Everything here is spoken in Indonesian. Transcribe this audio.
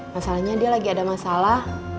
masalahnya dia lagi ada masalah